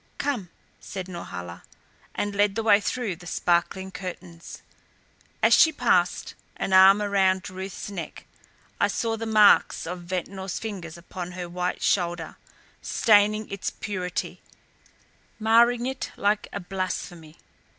"Come," said Norhala, and led the way through the sparkling curtains. As she passed, an arm around Ruth's neck, I saw the marks of Ventnor's fingers upon her white shoulder, staining its purity, marring it like a blasphemy.